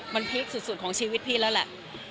มันพีคสุดของชีวิตพี่แล้วแหละ